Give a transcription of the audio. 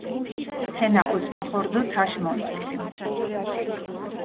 თენა ოწმახო რდჷ თაშ მონწყილი.